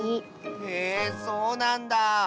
へえそうなんだ。